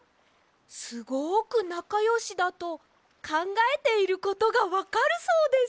すごくなかよしだとかんがえていることがわかるそうです！